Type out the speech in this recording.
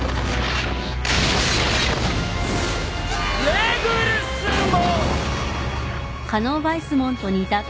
レグルスモン！